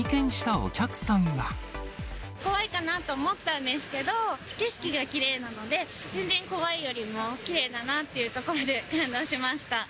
怖いかなと思ったんですけど、景色がきれいなので、全然怖いよりも、きれいだなっていうところで感動しました。